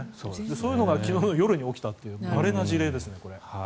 そういうのが昨日の夜に起きたというまれな事例ですね。